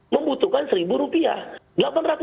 membutuhkan seribu rupiah